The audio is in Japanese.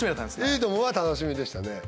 『いいとも！』は楽しみでしたね。